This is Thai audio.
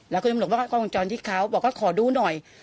แล้วคุณมันบอกว่ากล้องวงจรที่เขาบอกว่าขอดูหน่อย